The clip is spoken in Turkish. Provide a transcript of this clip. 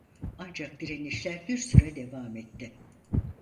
Ancak direnişler bir süre devam etti.